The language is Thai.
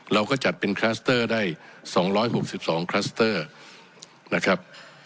เราก็จัดเป็นได้สองร้อยหกสิบสองนะครับ